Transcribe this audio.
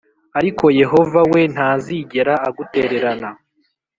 Ariko Yehova we ntazigera agutererana